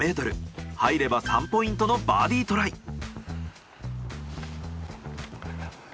入れば３ポイントのバーディトライ。